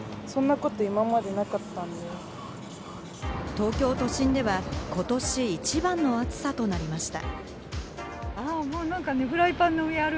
東京都心では、ことし一番の暑さとなりました。